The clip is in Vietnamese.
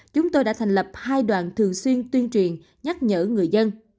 chúng tôi đã thành lập hai đoàn thường xuyên tuyên truyền nhắc nhở người dân